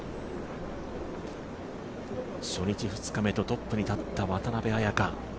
初日、２日目とトップに立った渡邉彩香。